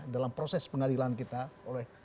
dalam proses pengadilan kita oleh